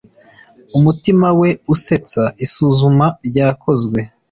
Umutima we usetsa Isuzuma ryakozwe